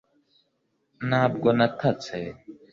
ntabwo natatse